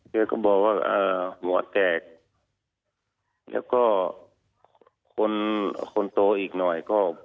เจ้าก็บอกว่าหัวแตกแล้วก็คนโตอีกหน่อย